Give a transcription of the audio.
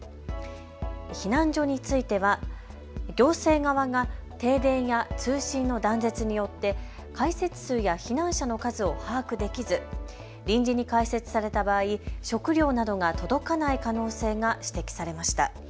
避難所については行政側が停電や通信の断絶によって開設数や避難者の数を把握できず臨時に開設された場合、食料などが届かない可能性が指摘されました。